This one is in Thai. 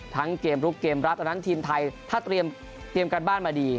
เกมลุกเกมรับตอนนั้นทีมไทยถ้าเตรียมการบ้านมาดี